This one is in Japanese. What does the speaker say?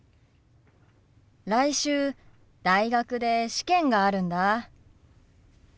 来週大学で試験があるんだ。